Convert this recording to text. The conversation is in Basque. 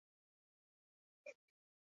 Ohi denez, haurrekin ere jolastuko dute.